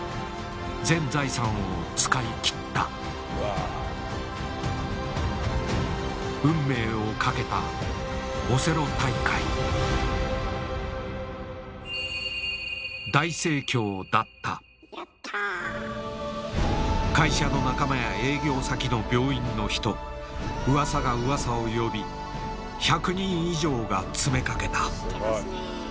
全財産を使い切った運命をかけたオセロ大会大盛況だった会社の仲間や営業先の病院の人うわさがうわさを呼び１００人以上が詰めかけた。